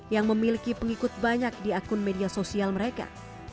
yang memiliki pengikut banyak di akun media sosial mereka